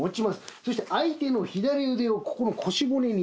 そして相手の左腕をここの腰骨につけます。